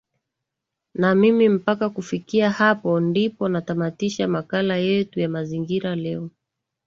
na mimi mpaka kufikia hapo ndipo natamatisha makala yetu ya mazingira leo